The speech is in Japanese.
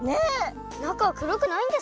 なかはくろくないんですか？